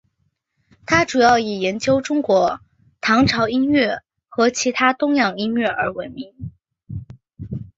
他主要以研究中国唐朝音乐和其他东洋音乐而闻名。